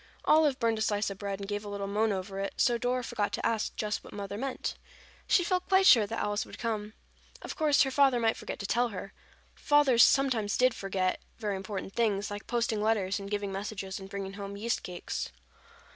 Olive burned a slice of bread and gave a little moan over it, so Dora forgot to ask just what Mother meant. She felt quite sure that Alice would come. Of course, her father might forget to tell her. Fathers did sometimes forget very important things, like posting letters and giving messages and bringing home yeast cakes.